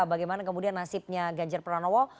bagaimana kemudian nasibnya ganjar pranowo